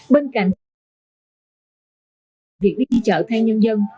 bên cạnh việc đi chợ thay nhân dân